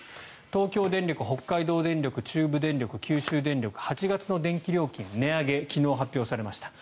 東京電力、北海道電力中部電力、九州電力８月の電気料金、値上げ昨日発表されました。